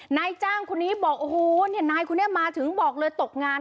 นายจ้างคุณนี้บอกโอ้โหนายคุณเนี่ยมาถึงบอกเลยตกงาน